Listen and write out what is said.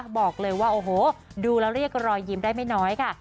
บอกเลยว่าโอ้โหดูแล้วเรียกรอยยิ้มได้ไม่น้อยค่ะ